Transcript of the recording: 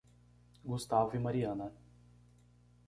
Gustavo e Mariana